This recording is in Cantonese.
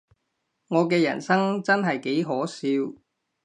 我嘅人生真係幾可笑